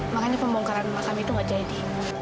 makanya pembongkaran makam itu gak jadi